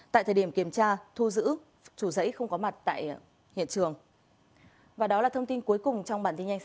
tại thời điểm kiểm tra thu giữ chủ giấy không có mặt tại hiện trường